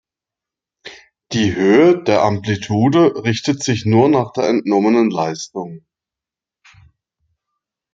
Die Höhe der Amplitude richtet sich nur nach der entnommenen Leistung.